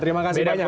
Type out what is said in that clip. terima kasih banyak